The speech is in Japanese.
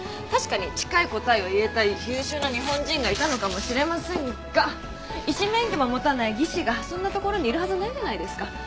確かに近い答えを言えた優秀な日本人がいたのかもしれませんが医師免許も持たない技師がそんな所にいるはずないじゃないですか。